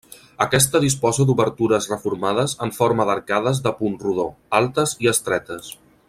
Aquesta disposa d'obertures reformades en forma d'arcades de punt rodó, altes i estretes.